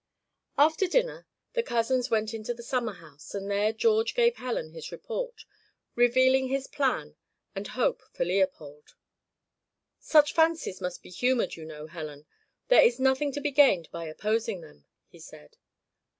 After dinner, the cousins went to the summer house, and there George gave Helen his report, revealing his plan and hope for Leopold. "Such fancies must be humoured, you know, Helen. There is nothing to be gained by opposing them," he said.